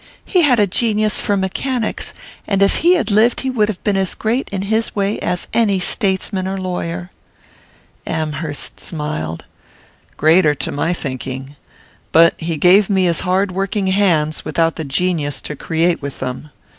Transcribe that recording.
He had a genius for mechanics, and if he had lived he would have been as great in his way as any statesman or lawyer." Amherst smiled. "Greater, to my thinking; but he gave me his hard working hands without the genius to create with them.